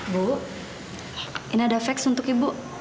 bu ini ada fax untuk ibu